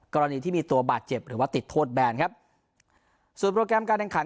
กรณีที่มีตัวบาดเจ็บหรือว่าติดโทษแบนครับส่วนโปรแกรมการแข่งขัน